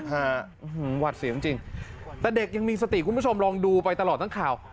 หวัดเสียวจริงแต่เด็กยังมีสติคุณผู้ชมลองดูไปตลอดทั้งข่าว